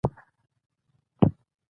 نه یې هیله د آزادو الوتلو